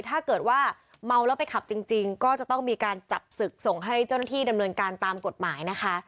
ถ้าเกิดว่าเมาแล้วไปขับจริงก็จะต้องมีการจับศึกส่งให้เจ้าหน้าที่ดำเนินการตามกฎหมายนะคะ